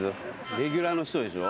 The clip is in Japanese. レギュラーの人でしょ？